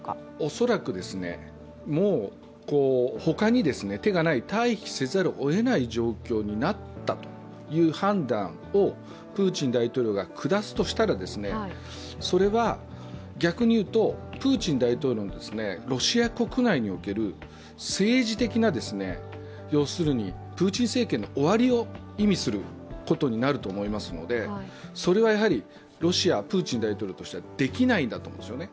恐らく、もう他に手がない、退避せざるをえない状況になったという判断をプーチン大統領が下すとしたら、それは逆に言うと、プーチン大統領のロシア国内における政治的なプーチン政権の終わりを意味することになると思いますのでそれはロシア、プーチン大統領としてはできないんだと思うんですよね。